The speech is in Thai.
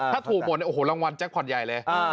ถ้าถูกหมดโอ้โหรางวัลแจ๊คคอนใหญ่เลย